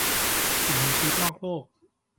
สิ่งมีชีวิตนอกโลก